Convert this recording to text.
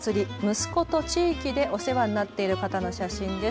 息子と地域でお世話になっている方の写真です。